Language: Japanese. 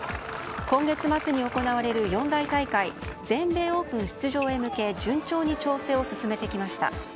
今月末に行われる四大大会全米オープン出場へ向け順調に調整を進めてきました。